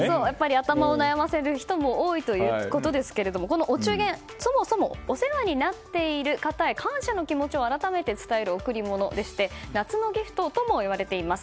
頭を悩ませる人も多いということですがこのお中元そもそもお世話になっている方へ感謝の気持ちを改めて伝える贈り物でして夏のギフトとも言われています。